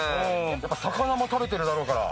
やっぱ魚も食べてるだろうから。